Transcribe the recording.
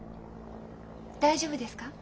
大丈夫ですか？